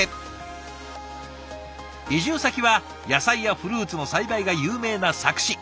移住先は野菜やフルーツの栽培が有名な佐久市。